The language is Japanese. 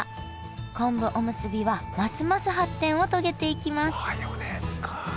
こんぶおむすびはますます発展を遂げていきます